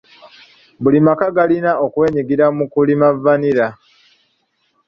Buli maka galina okwenyigira mu kulima vanilla.